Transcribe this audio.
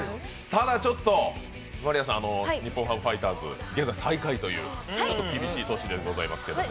ただ、ちょっと真莉愛さん日本ハムファイターズ現在最下位という厳しい年でございますけど。